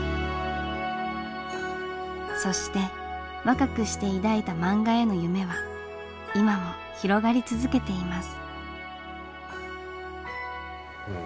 そして若くして抱いた漫画への夢は今も広がり続けています。